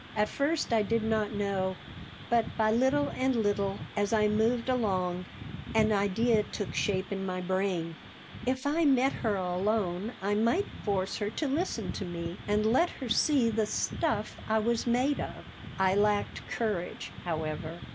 At first I did not know, but by little and little, as I moved along, an idea took shape in my brain: If I met her alone I might force her to listen to me and let her see the stuff I was made of. I lacked courage, however.